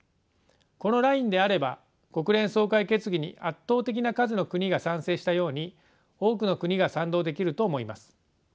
このラインであれば国連総会決議に圧倒的な数の国が賛成したように多くの国が賛同できると思います。